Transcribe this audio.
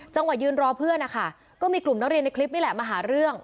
ยืนรอเพื่อนนะคะก็มีกลุ่มนักเรียนในคลิปนี่แหละมาหาเรื่อง